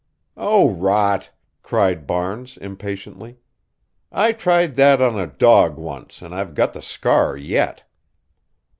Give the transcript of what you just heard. "Oh, rot!" cried Barnes, impatiently. "I tried that on a dog once and I've got the scar yet."